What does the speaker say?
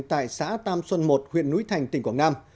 tại xã tam xuân một huyện núi thành tỉnh quảng nam